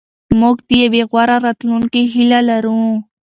موږ د یوې غوره راتلونکې هیله لرو.